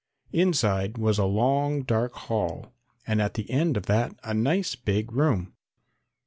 Inside was a long dark hall and at the end of that a nice big room.